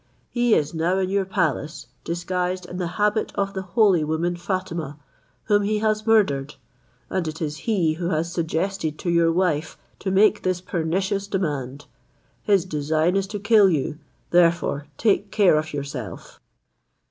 He is now in your palace, disguised in the habit of the holy woman Fatima, whom he has murdered; and it is he who has suggested to your wife to make this pernicious demand. His design is to kill you, therefore take care of yourself."